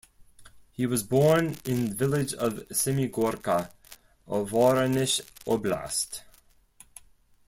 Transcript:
He was born in village of Semigorka, Voronesh Oblast.